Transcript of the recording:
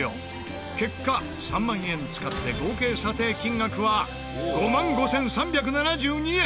結果３万円使って合計査定金額は５万５３７２円。